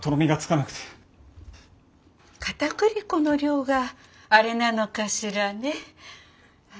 かたくり粉の量があれなのかしらね。